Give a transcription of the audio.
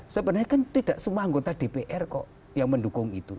sebenarnya kan tidak semua anggota dpr kok yang mendukung itu